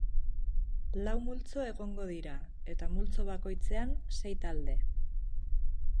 Lau multzo egongo dira, eta multzo bakoitzean sei talde.